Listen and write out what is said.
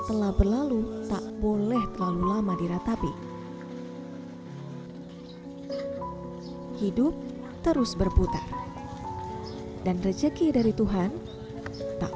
telah berlalu tak boleh terlalu lama diratapi hidup terus berputar dan rezeki dari tuhan tak